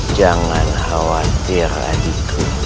jangan khawatir adikku